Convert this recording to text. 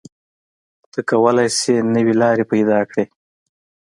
ته کولی شې نوې لارې پیدا کړې.